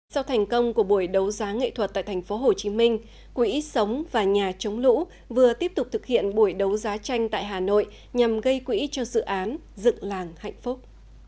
sau thành công của buổi đấu giá nghệ thuật tại tp hcm quỹ sống và nhà chống lũ vừa tiếp tục thực hiện buổi đấu giá tranh tại hà nội nhằm gây quỹ cho dự án dựng làng hạnh phúc